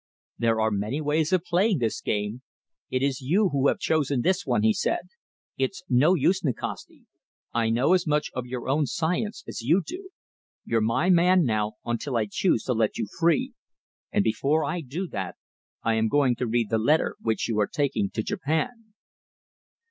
"There are many ways of playing this game. It is you who have chosen this one," he said. "It's no use, Nikasti. I know as much of your own science as you do. You're my man now until I choose to let you free, and before I do that I am going to read the letter which you are taking to Japan."